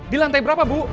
di lantai berapa bu